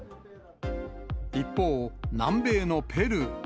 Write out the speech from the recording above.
一方、南米のペルー。